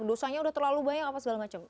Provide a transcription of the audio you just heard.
dosa nya sudah terlalu banyak apa segala macam